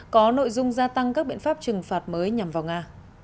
có nội dung gia tăng các biện pháp trừng phạt mới nhằm vào nga